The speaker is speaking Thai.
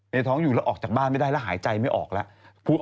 ในท้องอยู่แล้วออกจากบ้านไม่ได้แล้วหายใจไม่ออกแล้ว